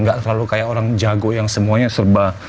gak selalu kayak orang jago yang semuanya serba